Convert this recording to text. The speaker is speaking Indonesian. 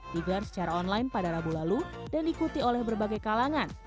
digelar secara online pada rabu lalu dan diikuti oleh berbagai kalangan